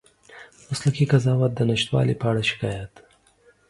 مسلکي قضاوت د نشتوالي په اړه شکایت